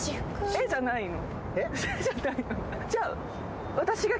「えっ？」じゃないの。